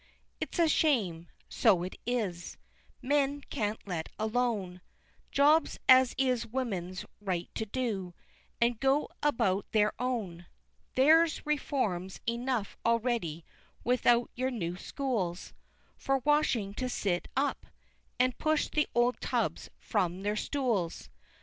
It's a shame, so it is, men can't Let alone Jobs as is Woman's right to do and go about there Own Theirs Reforms enuff Alreddy without your new schools For washing to sit Up, and push the Old Tubs from their stools!